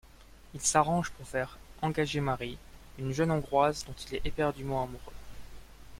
Il s'arrange pour faire engager Mary, une jeune Hongroise dont il est éperdument amoureux.